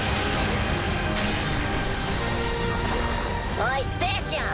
おいスペーシアン。